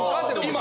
今？